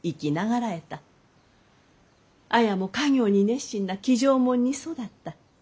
綾も家業に熱心な気丈者に育った。